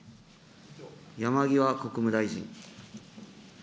山際国務大臣。